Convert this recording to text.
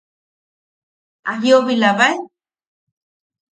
¿A jiʼobilabae?